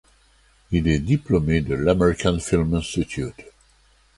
Il est diplômé de l'American Film Institute.